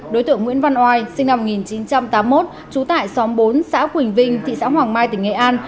đối tượng nguyễn văn oai sinh năm một nghìn chín trăm tám mươi một trú tại xóm bốn xã quỳnh vinh thị xã hoàng mai tỉnh nghệ an